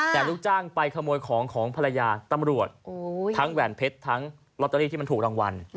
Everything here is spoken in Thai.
แต่ลูกจ้างไปขโมยของของภรรยาตำรวจทั้งแหวนเพชรทั้งลอตเตอรี่ที่มันถูกรางวัล